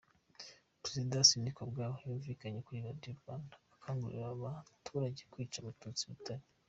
Perezida Sindikubwabo yumvikanye kuri Radiyo Rwanda, akangurira abaturage kwica Abatutsi i Butare.